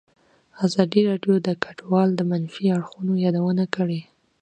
ازادي راډیو د کډوال د منفي اړخونو یادونه کړې.